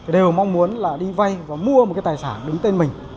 đều mong muốn là đi vay và mua một cái tài sản đứng tên mình